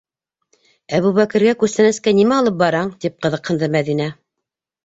Әбүбәкергә күстәнәскә нимә алып бараң? - тип ҡыҙыҡһынды Мәҙинә.